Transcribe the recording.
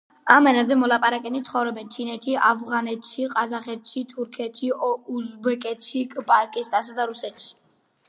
ამ ენაზე მოლაპარაკენი ცხოვრობენ ჩინეთში, ავღანეთში, ყაზახეთში, თურქეთში, უზბეკეთში, პაკისტანსა და რუსეთში.